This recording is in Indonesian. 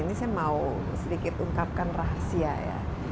ini saya mau sedikit ungkapkan rahasia ya